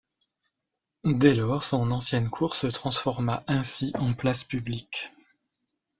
Dès lors, son ancienne cour se transforma ainsi en place publique.